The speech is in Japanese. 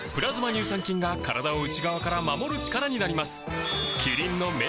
乳酸菌が体を内側から守る力になります